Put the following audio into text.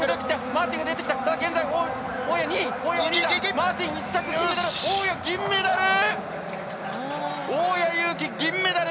マーティン１着フィニッシュ大矢、銀メダル！